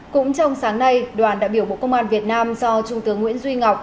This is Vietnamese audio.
cũng trong sáng nay đoàn đại biểu bộ công an việt nam do trung tướng nguyễn duy ngọc